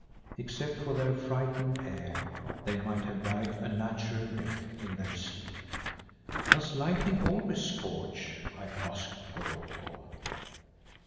Except for their frightened air, they might have died a natural death in their sleep. "Does lightning always scorch?" I asked Goroko.